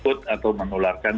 ikut atau menularkan